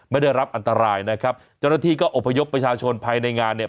ได้รับอันตรายนะครับเจ้าหน้าที่ก็อบพยพประชาชนภายในงานเนี่ย